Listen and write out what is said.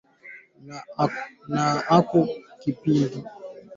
na kufanywa kipindi kilichotangazwa moja kwa moja kila siku kutoka Washington